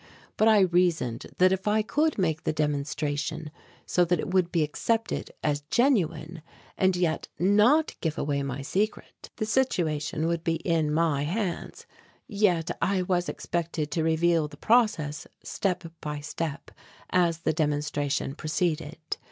But I reasoned that if I could make the demonstration so that it would be accepted as genuine and yet not give away my secret, the situation would be in my hands. Yet I was expected to reveal the process step by step as the demonstration proceeded.